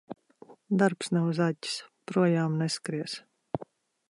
Darbs nav zaķis – projām neskries.